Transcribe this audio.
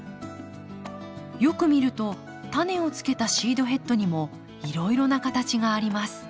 よく見るとタネをつけたシードヘッドにもいろいろな形があります。